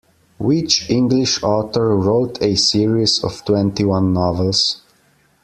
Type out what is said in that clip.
Which English author wrote a series of twenty-one novels?